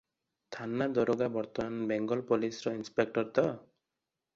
ଥାନା ଦରୋଗା ବର୍ତ୍ତମାନ ବେଙ୍ଗଲ ପୋଲିସରେ ଇନ୍ସପେକଟର ତ?